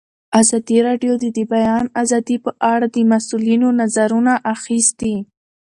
ازادي راډیو د د بیان آزادي په اړه د مسؤلینو نظرونه اخیستي.